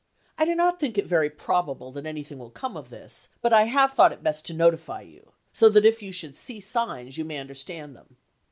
I do not think it very probable that anything will come of this, but I have thought best to notify you, so that if you should see signs you may understand them.